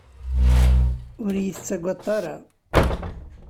Ur iyi-tettagadeḍ ara.